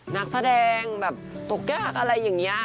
นักแสดงแบบตกยากอะไรอย่างนี้